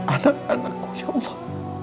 anak anakku ya allah